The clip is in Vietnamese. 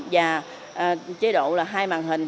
và chế độ hai màn hình người cán bộ thực hiện một màn hình